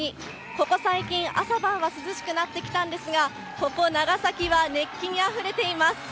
ここ最近、朝晩は涼しくなってきたんですが、ここ長崎は熱気にあふれています。